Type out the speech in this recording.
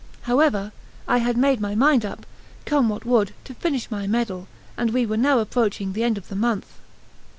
However, I had made my mind up, come what would, to finish my medal, and we were now approaching the end of the month.